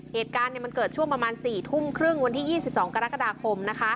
เหตุการณ์มันเกิดช่วงประมาณ๔ทุ่มครึ่งวันที่๒๒กรกฎาคม